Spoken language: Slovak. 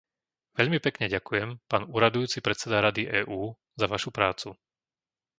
Veľmi pekne ďakujem, pán úradujúci predseda Rady EÚ za vašu prácu.